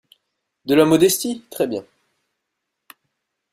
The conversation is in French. De la modestie, très bien.